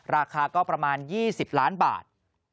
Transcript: ราคาก็ประมาณ๒๐ล้านบาท